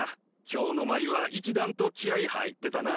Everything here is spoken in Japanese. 今日の舞は一段と気合い入ってたな。